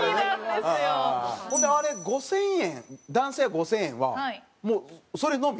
ほんであれ５０００円男性は５０００円はもうそれのみ？